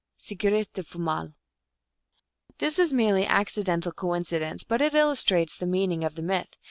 (Sigrdrifumal.) This is a merely accidental coincidence, but it illus trates the meaning of the myth.